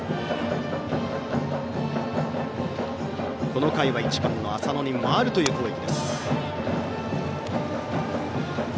この回は１番の浅野に回るという攻撃。